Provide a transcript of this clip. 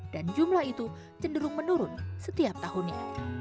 dan jumlah itu cenderung menurun setiap tahunnya